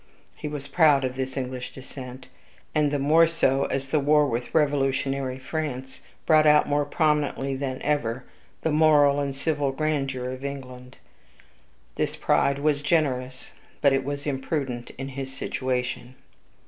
He was proud of this English descent, and the more so as the war with revolutionary France brought out more prominently than ever the moral and civil grandeur of England. This pride was generous, but it was imprudent in his situation.